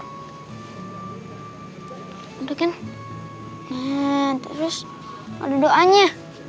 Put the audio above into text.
nih terus ada doanya